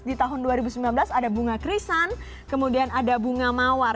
di tahun dua ribu sembilan belas ada bunga krisan kemudian ada bunga mawar